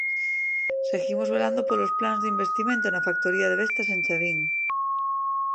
Seguimos velando polos plans de investimento na factoría de Vestas en Chavín.